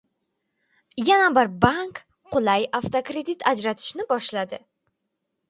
Yana bir bank qulay avtokredit ajratishni boshladi